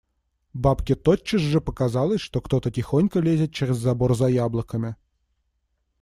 Бабке тотчас же показалось, что кто-то тихонько лезет через забор за яблоками.